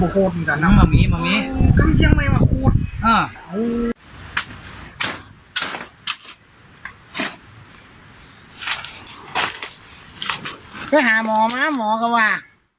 ไปหาหมอมาหมอก็ว่า